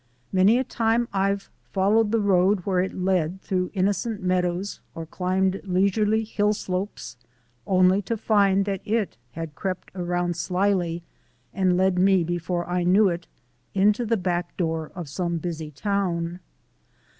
Many a time I followed the Road where it led through innocent meadows or climbed leisurely hill slopes only to find that it had crept around slyly and led me before I knew it into the back door of some busy town.